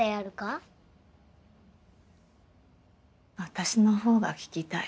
私のほうが聞きたい。